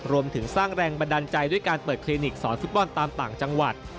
รวมถึงสร้างแรงบันดาลใจด้วยการเปิดคลินิกสอนฟุตบอลตามต่างจังหวัด